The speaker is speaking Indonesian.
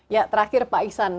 ya terakhir pak ihsan